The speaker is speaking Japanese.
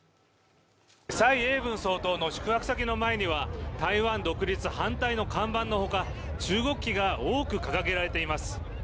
蔡英文総統の宿泊先の前には台湾独立反対の看板のほか中国旗が多く掲げられています。